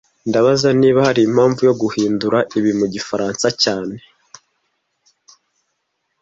Ndabaza niba hari impamvu yo guhindura ibi mu gifaransa cyane